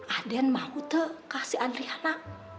aden mau tuh kasih adriana